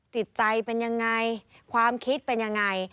จิตใจเป็นยังไงความคิดเป็นยังไง